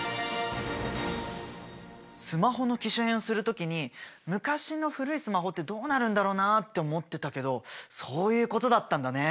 スマホの機種変する時に昔の古いスマホってどうなるんだろうなあって思ってたけどそういうことだったんだね。